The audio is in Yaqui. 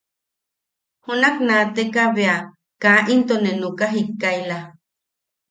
Junak naateka bea kaa into ne nuka jikkaila.